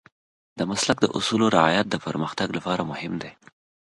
د مسلک د اصولو رعایت د پرمختګ لپاره مهم دی.